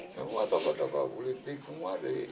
semua tokoh tokoh politik semua